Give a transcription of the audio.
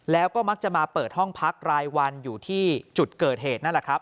แล้วก็มักจะมาเปิดห้องพักรายวันอยู่ที่จุดเกิดเหตุนั่นแหละครับ